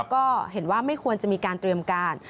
ก็เห็นว่าไม่ควรจะมีการเตรียมการ